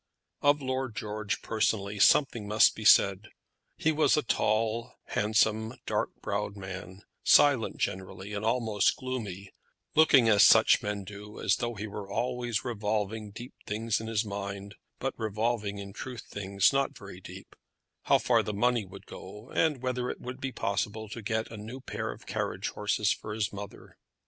Of Lord George personally something must be said. He was a tall, handsome, dark browed man, silent generally and almost gloomy, looking, as such men do, as though he were always revolving deep things in his mind, but revolving in truth things not very deep, how far the money would go, and whether it would be possible to get a new pair of carriage horses for his mother.